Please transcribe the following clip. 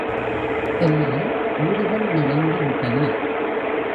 எல்லாம் வீடுகள் நிறைந்து விட்டன.